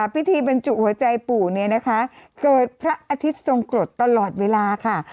พิธีบรรจุหัวใจปู่เกิดพระอาทิตย์ทรงกฏตลอดเวลาค่ะ